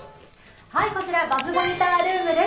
こちらバズモニタールームです。